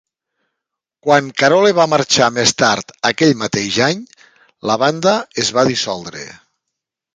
Quan Carole va marxar més tard aquell mateix any, la banda es va dissoldre.